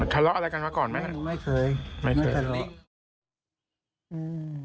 ทะเลาะอะไรกันมาก่อนไหมไม่เคยไม่เคยทะเลาะอืม